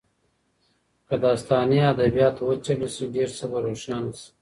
که داستاني ادبیات وڅېړل سي ډېر څه به روښانه سي.